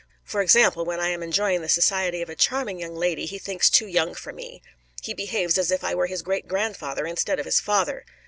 For example, when I am enjoying the society of a charming young lady he thinks too young for me, he behaves as if I were his great grandfather instead of his father.